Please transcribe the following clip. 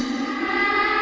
itu cuma boneka tau